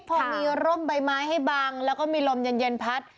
พอมีร่มใบไม้ให้บังแล้วก็มีลมเย็นพัด